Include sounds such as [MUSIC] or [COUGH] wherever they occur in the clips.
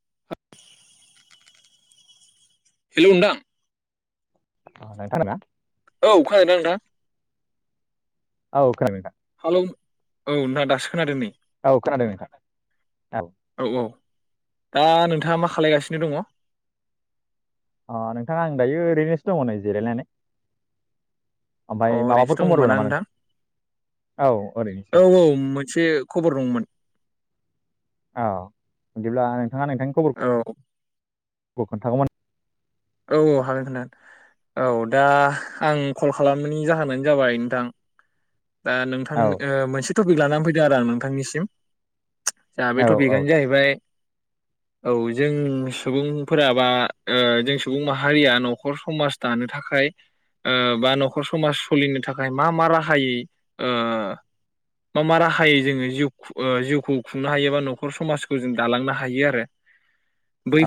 [INAUDIBLE] Hello नोथां [UNINTELLIGIBLE] औ खोनादों ना नोंथां औ खोनाबाय दा हेलौ औ ना दासो खोनादों नै औ खोनादों नोंथां खोनादो औ औ दा नोंथाङा मा खालायगासिनो दङ अ नोंथाङा आं दायो ओरैनोसो दङ नै जिरायनानै अ ओमफ्राय माबाफोर ओरैनोसो दं खबरबो होनबा ना नामा नोंथां औ ओरैनोसो दं औ-औ मोनसे खबर दंमोन औ बिदिब्ला नोंथाङा नोंथांनि खबर औ खौ खोन्थागौमोन औ औ हागोन खोनथान औ दा आं कल खालामनि जाहोनानो जाबाय नोंथां दा नोंथां औ ओ मोनसे टपिक लानानै फैदों आरो आं नोंथांनिसिम। जा बे औ औ टपिकआनो दे जाहैबाय औ जों सुबुंफोराबा ओ जों सुबुं माहारिया न'खर समाज दानो थाखाय ओ बा न'खर समाज सोलिनो थाखाय मा मा राहायै ओ मा मा राहायै जोङो जिउ खु ओ जिउखौ खुंनो हायो बा न'खर समाजखौ जों दालांनो हायो आरो।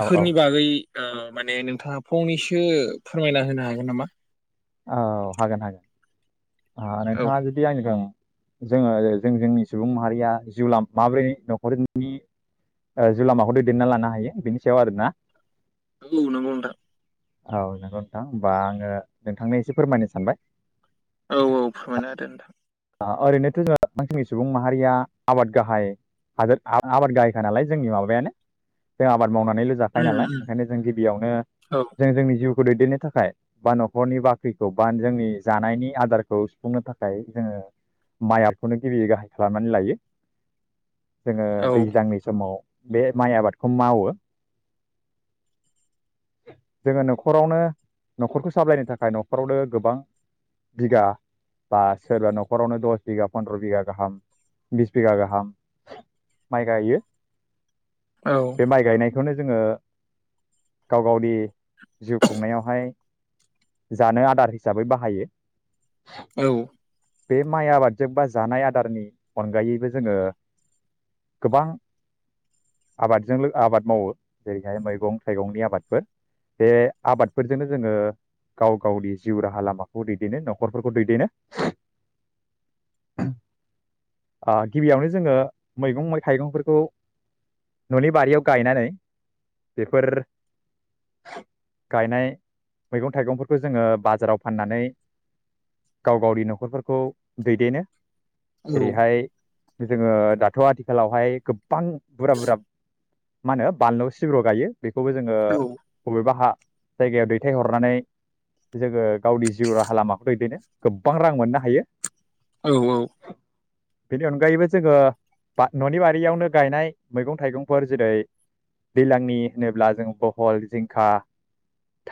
औ औ बागै आ माने नों थाङा फंनैसो फोरमायना होनो हागोन नामा? औ हागोन हागोन। आं औ नोंथाङा जुदि आंजों [UNINTELLIGIBLE] जोङो जों जोंनि सुबुं माहारिया जिउलाम माब्रै न'खरनि ओ जिउ लामाखौ दैदेनना लानो हायो बेनि सायाव आरोना। औ नंगौ नोंथां। औ नोंगौ नोंथां होमबा आङो नोंथांनो एसे फोरमायनो सानबाय। औ औ फोरमायना होदो नोंथां ओ ओरैनोथ' जोङो मानसिनि सुबुं माहारिया आबाद गाहाय हादोर आबाद गाहायखा नालाय जोंनि माबायानो जों आबाद मावनानैल' जाखायो उम नालाय उम ओंखायनो जों गिबियावनो औ जों जोंनि जिउ खौ दैदेननो थाखाय बा न'खरनि बाख्रिखौ बा जोंनि जानायनि आदारखौ सुफुंनो थाखाय जोङो माइ आबादखौनो गिबियै गाहाय खालामनानै लायो। जोङो औ औ दैज्लांनि समाव बे माइ आबादखौ मावो। जोङो न'खरावनो न'खरखौ सामलायनो थाखाय न'खरावनो गोबां बिगा बा सोरबा न'ख खरावनो दस बिगा पन्द्र' बिगा गाहाम बिस बिगा गाहाम माइ गाइयो। औ बे माइ गायनाइ खौनो जोङो गाव गावनि जिउ खुंनायावहाय जानो आदार हिसाबै बाहायो। औ। बे माइ आबादजों बा जानाय आदारनि अनगायैबो जोङो गोबां आबादजों लो आबाद मावो जेरैहाय मैगं थाइगंनि आबादफोर। बे आबादफोरजोंनो जोङो गाव गावनि जिउ राहा लामाखौ दैदेनो न'खरफोरखौ दैदेनो। [INAUDIBLE] आ गिबियावनो जोङो मैगं मै थाइगंफोरखौ न'नि बारियाव गायनानै बेफोर गायनाय मैगं थाइगंफोरखौ जोङो बाजाराव फाननानै गाव गावनि न'खरफोरखौ दैदेनो। जेरैहाय जोङो दाथ' आथिखालावहाय गोब बां बुरा बुराब मा होनो बानलु सिब्र' गायो। बेखौबो जोङो औ बबेबा हा जायगायाव दैथायहरनानै जोङो गावनि जिउ राहा लामाखौ दैदेननो गोबबां रां मोननो हायो। औ औ। बेनि अनगायैबो जोङो बा न'नि बारियावनो गायनाय मैगं थाइगंफोर जेरै दैलांनि होनोब्ला जों बहल, जिंखा,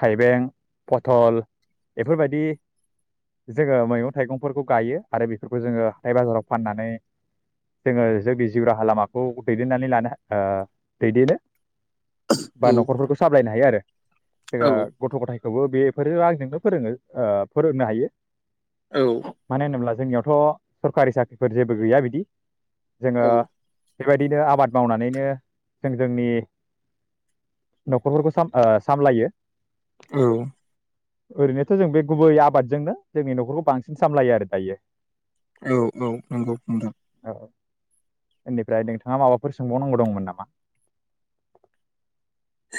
थाइबें, पथल बेफोरबायदि जोङो मैगं थाइगंफोरखौ गायो आरो बेफोरखौ जोङो हाथाइ बाजाराव फाननानै जोङो जोंनि जिउ राहा लामाखौ दैदेननानै लानो हा ओ दैदेनो। बा औ नखरफोरखौ सामलायनो हायो आरो जोङो गथ गथाय खौबो बेफोरो आंजोंनो फोरोङो ओ फोरोंनो हायो औ मानो होनोब्ला जोंनियावथ सरखारि साख्रि फोर जेबो गैया बिदि जोङो बेबायदिनो आबाद मावनानैनो जों जोंनि नखरफोरखौ साम ओ सामलायो औ ओरैनोथ जों बे गुबै आबादजोंनो जोंनि नखरखौ बांसिन सामलायो आरो दायो औ औ नंगौ नोंथां इनिफ्राय नोंथाङा माबाफोर सोंबावनांगौ दंमोन नामा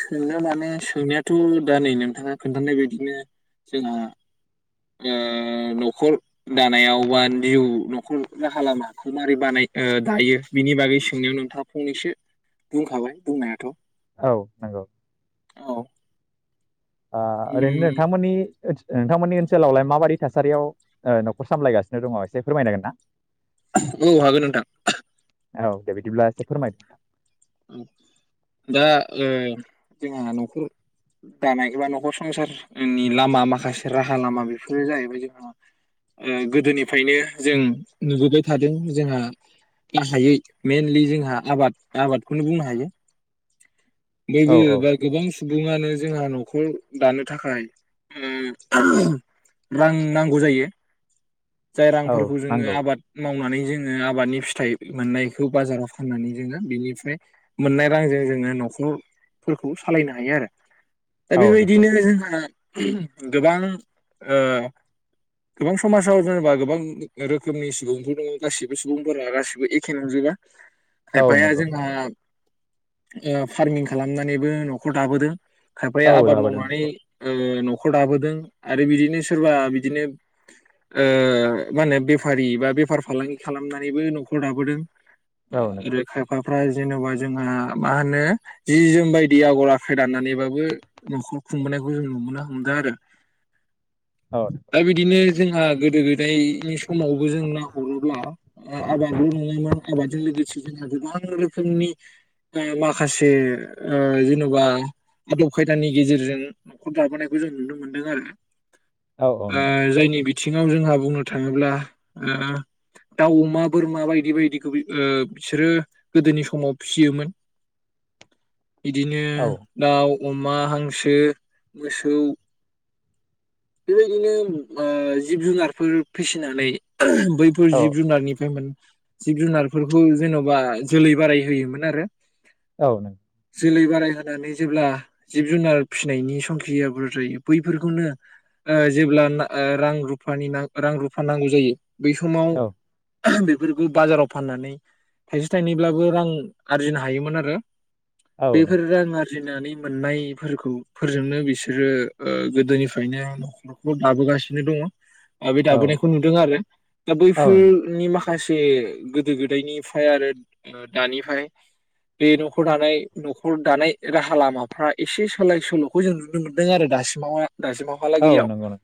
सोंनो माने सोंनायाथ दा नै नोंथाङा खोन्थानाय बदिनो जोंहा ओ नखर दानायाव बा निउ नखर राहा लामाखौ मारै बानाय ओ दायो बिनि बागै सोंनायाव नोंथाङा फंनैसो बुंखाबाय बुंनायाथ औ नंगौ औ आ ओरैनो उम नोंथांमोननि ओस नोंथांमोननि ओनसोलावलाय माबायदि थासारियाव ओ नखर सामलायगासिनो दङ एसे फोरमायनो हागोनना औ हागोन नोंथां औ दे बिदिब्ला एसे फोरमायदो [UNINTELLIGIBLE] दा ओ जोंहा नखर दानाय एबा नखर संसारनि लामा माखासे राहा लामा बेफोरो जाहैबाय जोंहा ओ गोदोनिफ्रायनो जों नुबोबाय थादों जोंहा गाहायै मेइनलि जों हा आबाद आबादखौनो बुंनो हायो औ औ [UNINTELLIGIBLE] गोबां सु बुङानो जोंहा नखर दानो थाखाय उम रां नांगौ जायो जाय औ रांफोरखौ जोङो नंगौ आबाद मावनानै जोङो आबादनि फिथाइ मोननायखौ बाजाराव फाननानै जोङो बेनिफ्राय मोननाय रांजों जोङो नखरफोरखौ सालायनो हायो आरो दा औ नंगौ बेबायदिनो जोंहा गोबां ओ गोबां समाज आव जानेबा गोबां रोखोमनि सुबुंफोर दङ गासिबो सुबुंफोरा गासिबो एखे नंजोबा औ खायफाया नंगौ जोंहा ओ फार्मिं खालामनानैबो नखर दाबोदों खायफाया औ आबाद लाबोदों मावनानै नंगौ ओ नख खर दाबोदों आरो बिदिनो सोरबा बिदिनो ओ मा होनो बेफारि बा बेफार फालांगि खालामनानैबो नखर दाबोदों औ नंगौ आरो खायफा फ्रा जेनबा जोंहा मा होनो जि जोम बायदि आगर आखाइ दानानैबाबो नखर खुंबोनायखौ जों नुुबोनो हमदों आरो औ दा बिदिनो जोंहा गोदो गोदायनि समावबो जों नाहरोब्ला ओ आबादल' नङामोन आबादजों लोगोसे जोंहा गोबां रोखोमनि ओ माखासे ओ जेनेबा आदब खायदानि गेजेरजों न'खर दाबोनायखौ जों नुनो मोनदों आरो । औ औ ओ नंगौ जायनि बि थिङाव जोंहा बुंनो थाङोब्ला ओ दाव अमा बोरमा बायदि बायदिखौ बि ओ बिसोरो गोदोनि समाव फिसियोमोन । बिदिनो औ दाउ अमा हांसो मोसौ । बेबायदिनो ओ जिब जुनारफोर फिसिनानै बैफोर औ जिब जुनारनिफ्राय मोन जिब जुनारफोरखौ जेन'बा जोलै बाराय होयोमोन आरो । औ नों जोलै बाराय होनानै जेब्ला जिब जुनार फिसिनायनि संखिआ बुरजा जायो बैफोरखौनो ओ जेब्ला ना ओ रां रुफानि नां रां रुफा नांगौ जायो । बै औ समाव बेफोरखौ बाजाराव फाननानै थाइसे थाइनैब्लाबो रां आरजिनो हायोमोन आरो । औ बेफोर नंगौ रां आरजिनानै मोननायफोरखौ फोरजोंनो बिसोरो ओ गोदोनिफ फाइनो न'खरखौ दाबोगासिनो दङ । आ बे औ दाबोनायखौ नुदों आरो दा औ बैफोरनि माखासे जे गोदो गोदायनिफ्राय आरो दानिफ्राय बे न'खर दानाय न'खर दानाय राहा लामाफ्रा एसे सोलाय सोल'खौ जों नुनो मोनदों आरो दासिमावहा औ नंगौ नंगौ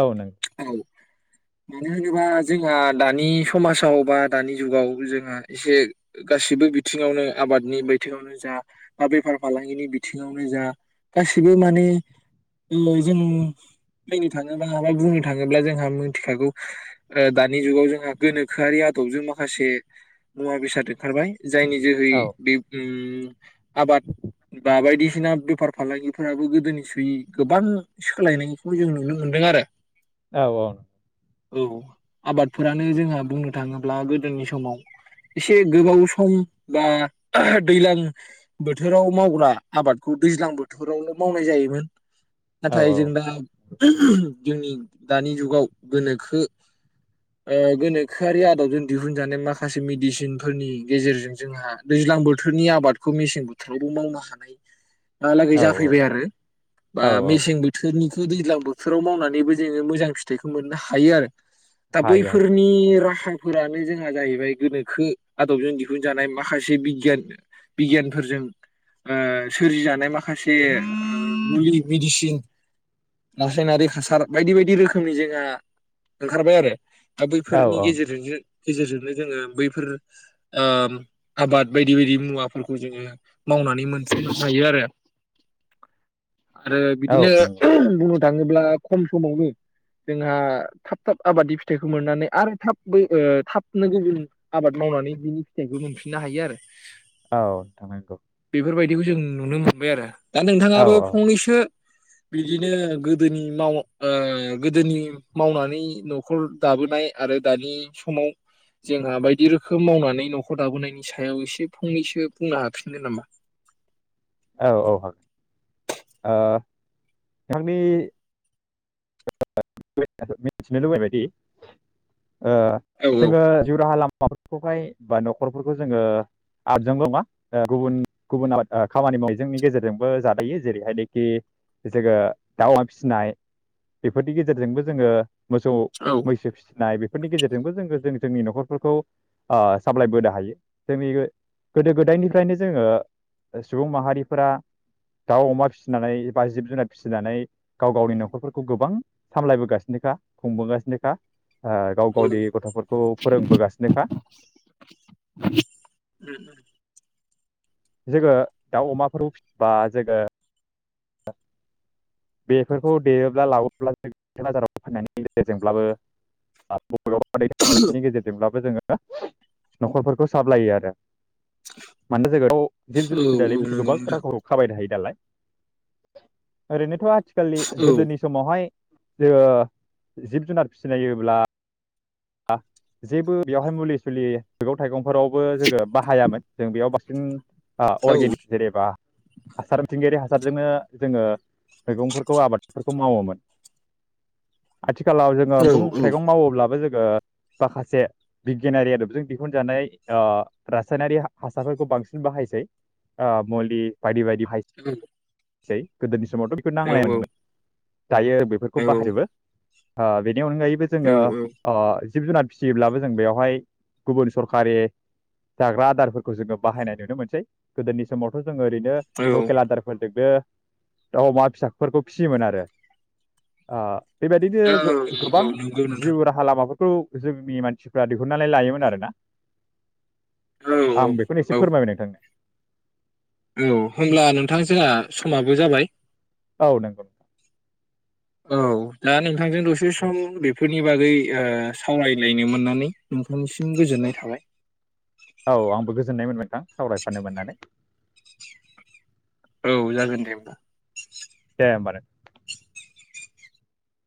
औ नंगौ । औ मानो होनोबा जोंहा दानि समाजाव बा दानि जुगाव जोंहा एसे गासिबो बिथिङावनो आबादनि बिथिङावनो जा बा बेफार फालांगिनि बिथिङावनो जा गासिबो माने ओ जों नायनो थाङोब्ला माबा बुंनो थाङोब्ला जोंहा मिथिखागौ ओ दानि जुगाव जोंहा गोनोखोआरि आदबजों माखासे मुवा बेसाद ओंखारबाय । जायनि जोहै औ बे उम्म आबाद बा बायदिसिना बेफार फालांगिफोराबो गोदोनि सुयै गोबां सोलायनायखौ जों नुनो मोनदों आरो । औ औ । औ आबादफोरानो जोंहा बुंनो थाङोब्ला गोदोनि समाव एसे गोबाव सम बा दैलां बोथोराव मावग्रा आबादखौ दैज्लां बोथोरावल' मावनाय जायोमोन। औ नाथाय जों दा जोंनि दानि जुगाव गोनोखो ओ गोनोखोआरि आदबजों दिहुनजानाय माखासे मेडिसिनफोरनि गेजेरजों जोंहा दैज्लां बोथोरनि आबादखौ मेसें बोथोरावबो मावनो हानाय दाहालागै औ जाफैबाय आरो बा औ औ बोथोरनिखौ दैज्लां बोथोराव मावनानैबो जोङो मोजां फिथाइखौ मोननो हायो आरो । दा हायो हायो बैफोरनि राहा फोरानो जोंहा जाहैबाय गोनोखो आदबजों दिहुनजानाय माखासे बिगियान बिगियानफोरजों ओ सोरजि जानाय मा खासे ओ मुलि मिसिन रासायनारि हासार बायदि बायदि रोखोमनि जोंहा ओंखारबाय आरो । दा औ बैफोरनि औ गेजेरजोंनो गेजेरजोंनो जोङो बैफोर ओ आबाद बायदि बायदि मुवाफोरखौ जोङो मावनानै मोनफिनो हायो आरो। आरो औ बिदिनो नंगौ बुं थाङोब्ला खम समावनो जोंहा थाब थाब आबादनि फिथाइखौ मोननानै आरो थाब बो थाबनो गुबुन आबाद मावनानै बिनि फिथाइखौ मोनफिननो हायो आरो। औ नोंथां नंगौ। बेफोरबायदिखौ जों नुनो मोनबाय आरो। दा औ नोंथाङाबो थो बिदिनो गोदोनि माव ओ गोदोनि मावनानै न'खर दाबोनाय आरो दानि समाव जोंहा बायदि रोखोम मावनानै न'खर दाबोनायनि सायाव एसे फंनैसो बुंनो हाफिननो नामा? औ औ हागोन ओ बिथांनि मिथिनो [UNINTELLIGIBLE] लुबैबायदि ओ औ जोङो जिउ राहा लामा माफोरखौहाय बा न'खरफोरखौ जोङो आबजोंल' नङा गुबुन गुबुन आबाद खामानि मावनि गेजेरजोंबो जादायो जेरैहायनोखि जोङो दाउ अमा फिसिनाय। बेफोरनि गेजेरजोंबो जोङो मोसौ औ मैसो फिसिनाय बे फोरनि गेजेरजोंबो जों जों जोंनि न'खरफोरखौ ओ सामलाय बोनो हायो जोंनि गोदो गोदायनिफ्रायनो जोङो सुबुं माहारिफोरा दाउ अमा फिसिनानै एबा जिब जुनार फिसिनानै गाव गावनि नख'रफोर खौ गोबां सामलायबोगासिनोखा खुंबोगासिनोखा। ओ गाव औ गावनि गथ'फोरखौ फोरोंबोगासिनोखा। जोङो दाउ अमाफोरफोरखौ फिबा जोङो बेफोरखौ देरोब्ला लाबोब्लाों बाजाराव फाननायनि गेजेरजोंब्लाबो [UNINTELLIGIBLE] गेजेरजोंब्लाबो जोङो हो न'खरफोरखौ साबलायो आरो मानोना जायगायाव' जिब जुनखिसि दोर गोबां रांखौ खाबायनो हायो नालाय ओरैनोथ आथिखाललि गोदोनि समावहाय जोङो जिब जुनार फिनायोब्ला जेबो बेवहाय मुलि सुलि मैगं थाइगं फोरावबो जोङो बाहायामोन जों बेयाव बास जों अर्गेनिक जेनेबा हासारथिंगायारि हास जोङो मैगंफोरखौ आबादफोरखौ मावोमोन आथिखालाव जोंङो मगं थाइगं मावोब्ला ओ माखासे बिगियानारि आदबजों दिहुनजानाय ओ रासायनारि हासारफोरखौ बांसिन बाहायसै ओ मुलि बायदि बायदि सै गोदोनि समावथ बेखौ नांलायानोमोन दायो बेफोरखौ बाहायोबो अ बे बेनि अनगायैबो जोङो जिब जुनार फिसियोब्लाबो जों बेवहाय गुबुन सरखारि जाग्रा आदारफोरखौ जोङो बाहायनाय नुनो मोनसै। गोदोनि समावथ ओरैनो औ लकेल आदारफोर नो दाउ अमा फिसाफोरखौ फिसियोमोन आरो आ बेबायदिनो औ औ गो-गोबां नंगौ नोंथां जिउ राहा माबाफोरखौ जोंनि मानसिफ्रा दिहुननानै लायोमोन आरो ना। औ औ आं बेखौनो एसे औ फोरमायबाय नोंथांनो। औ होमब्ला नोंथां जहा समाबो जाबाय औ नोंगौ औ दा नों जों दसे सम [UNINTELLIGIBLE] बेफोरनि बागै ओ सावरायलायनो मोननानै नोंथांनिसिम गोजोननाय थाबाय औ आंबो गोजोननायमोन नोंथां सावरायफानो मोननानै। औ जागोन दे ओमबा। दे ओमबा‌ नों